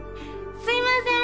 すみません！